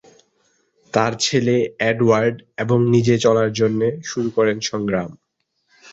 তার ছেলে "এডওয়ার্ড" এবং নিজে চলার জন্য শুরু করেন সংগ্রাম।